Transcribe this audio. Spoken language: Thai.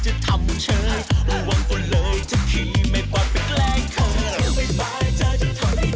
จนตามไปรับความชอบไม่ให้หยุดหย่อน